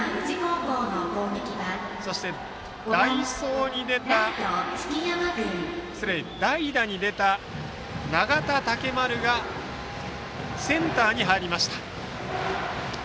そして代打に出た永田剛丸がセンターに入りました。